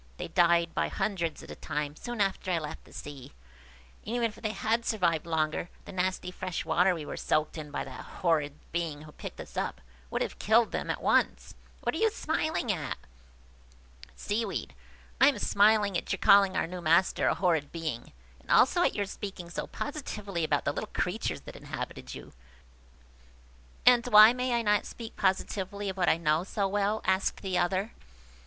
They died by hundreds at a time soon after I left the sea; and even if they had survived longer, the nasty fresh water we were soaked in by the horrid being who picked us up, would have killed them at once. What are you smiling at?" Seaweed. "I am smiling at your calling our new master a horrid being, and also at your speaking so positively about the little creatures that inhabited you." "And why may I not speak positively of what I know so well? " asked the other.